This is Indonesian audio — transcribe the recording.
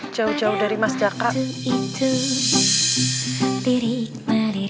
jauh jauh dari mas jaka hijau